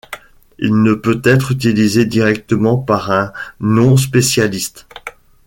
Il ne peut être utilisé directement par un non spécialiste.